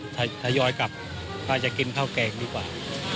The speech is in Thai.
ทยอยกลับป้าจะกินข้าวแกงดีกว่า